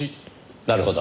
なるほど。